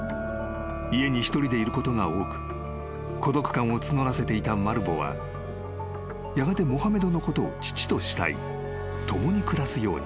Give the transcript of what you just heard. ［家に独りでいることが多く孤独感を募らせていたマルヴォはやがてモハメドのことを父と慕い共に暮らすように］